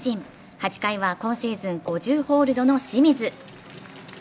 ８回は今シーズン５０ホールドの清水。